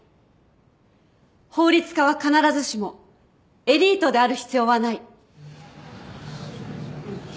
法律家は必ずしもエリートである必要はない。